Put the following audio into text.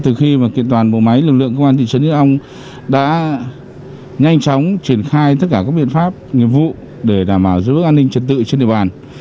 từ khi kiện toàn bộ máy lực lượng công an thị trấn ít âu đã nhanh chóng triển khai tất cả các biện pháp nhiệm vụ để đảm bảo giữ bức an ninh trật tự trên địa bàn